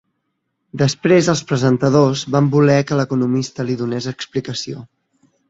Després els presentadors van voler que l’economista li donés explicació.